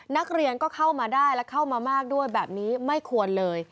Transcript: นักเรียนก็เข้ามาได้และเข้ามามากด้วยแบบนี้ไม่ควรเลย